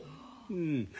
うん。